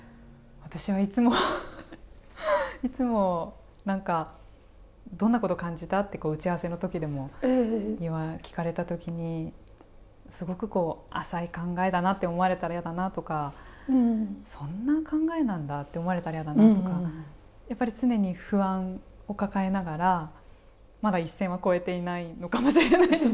私はいつも、いつも何かどんなこと感じたって打ち合わせのときでも聞かれたときにすごくこう浅い考えだなって思われたら嫌だなとかそんな考えなんだって思われたら嫌だなとかやっぱり常に不安を抱えながらまだ一線を超えていないのかもしれないです。